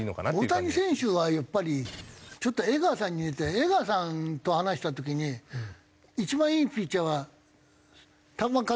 大谷選手はやっぱりちょっと江川さんに似て江川さんと話した時に一番いいピッチャーは球数２７球だって。